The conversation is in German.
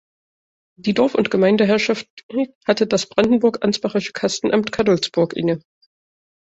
Die Dorf- und Gemeindeherrschaft hatte das brandenburg-ansbachische Kastenamt Cadolzburg inne.